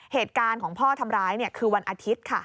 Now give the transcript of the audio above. เหตุการณ์ของพ่อทำร้ายคือวันอาทิตย์ค่ะ